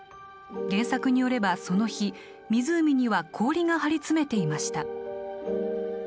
原作によればその日湖には氷が張り詰めていました。